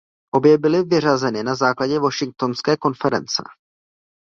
Obě byly vyřazeny na základě Washingtonské konference.